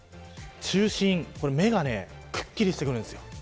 中心の目がくっきりしてくるんです。